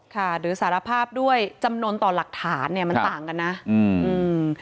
ค่ะหรือสารภาพด้วยจำนวนต่อหลักฐานเนี้ยมันต่างกันนะอืมอืม